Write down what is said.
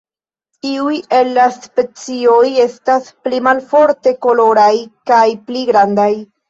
Iuj el la specioj estas pli malforte koloraj kaj pli grandaj.